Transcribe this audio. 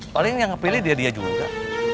paling yang pilih dia dia juga